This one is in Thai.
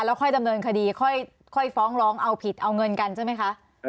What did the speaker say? ค่อยดำเนินคดีค่อยฟ้องร้องเอาผิดเอาเงินกันใช่ไหมคะ